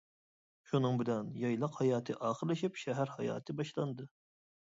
شۇنىڭ بىلەن يايلاق ھاياتى ئاخىرلىشىپ شەھەر ھاياتى باشلاندى.